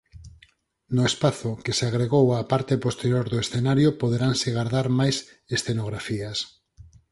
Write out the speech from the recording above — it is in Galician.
No espazo que se agregou á parte posterior do escenario poderanse gardar máis escenografías.